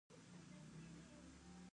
کندز سیند د افغانستان د جغرافیې بېلګه ده.